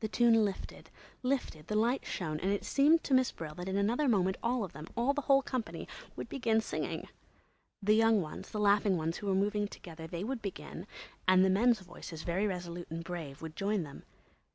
The tune lifted, lifted, the light shone; and it seemed to Miss Brill that in another moment all of them, all the whole company, would begin singing. The young ones, the laughing ones who were moving together, they would begin, and the men's voices, very resolute and brave, would join them.